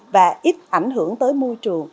và ít ảnh hưởng tới môi trường